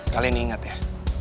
kalian ingat ya